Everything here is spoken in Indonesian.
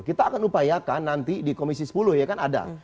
kita akan upayakan nanti di komisi sepuluh ya kan ada